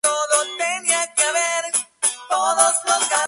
El elenco es notable por consistir principalmente en mujeres asiático-americanas.